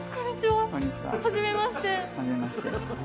はじめまして。